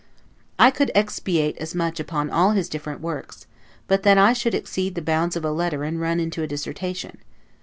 I could expatiate as much upon all his different works, but that I should exceed the bounds of a letter and run into a dissertation.